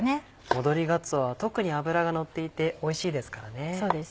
戻りがつおは特に脂がのっていておいしいですからね。